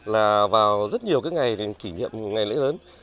là vào rất nhiều cái ngày kỷ niệm ngày lễ lớn